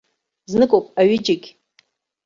Зныкоуп аҩыџьагь.